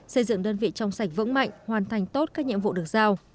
xây dựng đơn vị trong sạch vững mạnh hoàn thành tốt các nhiệm vụ được giao